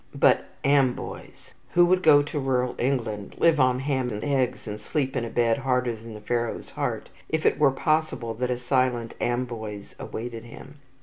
But Amboise! Who would go to rural England, live on ham and eggs, and sleep in a bed harder than Pharaoh's heart, if it were possible that a silent Amboise awaited him?